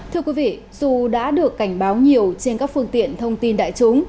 thưa quý vị dù đã được cảnh báo nhiều trên các phương tiện thông tin đại chúng